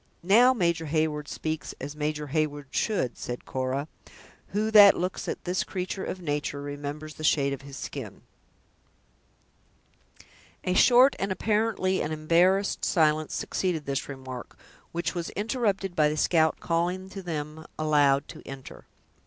"Now Major Heyward speaks as Major Heyward should," said Cora; "who that looks at this creature of nature, remembers the shade of his skin?" A short and apparently an embarrassed silence succeeded this remark, which was interrupted by the scout calling to them, aloud, to enter.